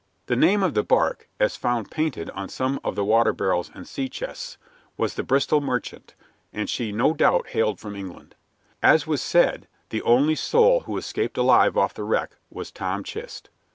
The name of the bark, as found painted on some of the water barrels and sea chests, was the Bristol Merchant, and she no doubt hailed from England. As was said, the only soul who escaped alive off the wreck was Tom Chist.